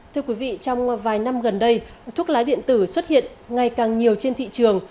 thưa quý vị trong vài năm gần đây thuốc lá điện tử xuất hiện ngày càng nhiều trên thị trường